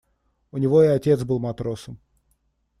У него и отец был матросом.